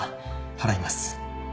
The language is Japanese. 払います。